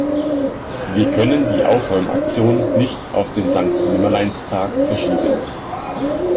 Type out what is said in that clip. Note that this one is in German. Wir können die Aufräumaktion nicht auf den Sankt-Nimmerleins-Tag verschieben.